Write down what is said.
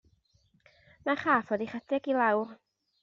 Mae'r rhaff wedi rhedeg i lawr.